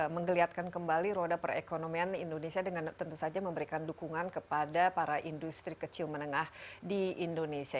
menggeliatkan kembali roda perekonomian indonesia dengan tentu saja memberikan dukungan kepada para industri kecil menengah di indonesia